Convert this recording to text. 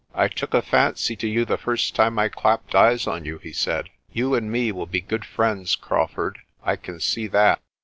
"I took a fancy to you the first time I clapped eyes on you," he said. "You and me will be good friends, Crawfurd, I can see that.